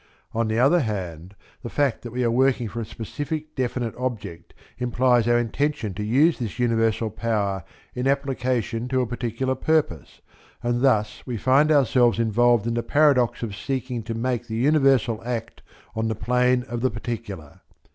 On the other hand, the fact that we are working for a specific definite object implies our intention to use this universal power in application to a particular purpose, and thus we find ourselves involved in the paradox of seeking to make the universal act on the plane of the particular.